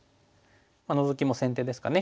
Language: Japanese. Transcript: ノゾキも先手ですかね。